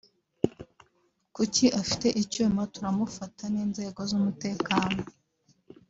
kuki afite icyuma turamufata n’inzego z’umutekano